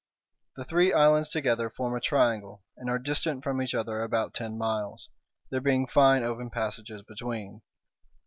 The three islands together form a triangle, and are distant from each other about ten miles, there being fine open passages between.